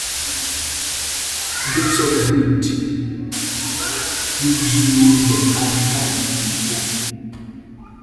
Gets all the hits, gives you the hard tag in the field.